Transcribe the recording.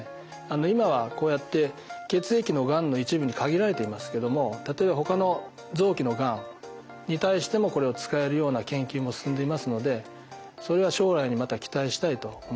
今はこうやって血液のがんの一部に限られていますけども例えばほかの臓器のがんに対してもこれを使えるような研究も進んでいますのでそれは将来にまた期待したいと思います。